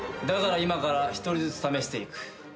だから今から１人ずつ試していく。